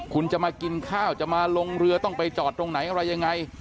คุณจะมากินข้าวจะมาลงเรือต้องไปจอดตรงไหนอะไรยังไง